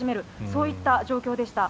そういった状況でした。